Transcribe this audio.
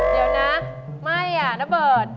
เดี๋ยวนะไม่อ่ะนเบิร์ต